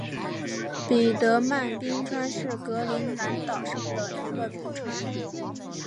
彼得曼冰川是格陵兰岛上的一个冰川。